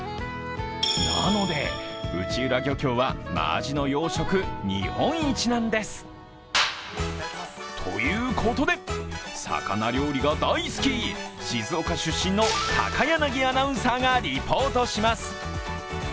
なので、内浦漁協は真アジの養殖日本一なんです。ということで、魚料理が大好き、静岡出身の高柳アナウンサーがリポートします。